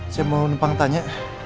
saya mau menepang tanya